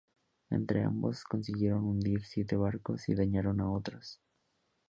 Entre ambos consiguieron hundir siete barcos y dañaron a otros.